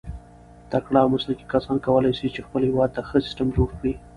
تکړه او مسلکي کسان کولای سي، چي خپل هېواد ته ښه سیسټم جوړ کي.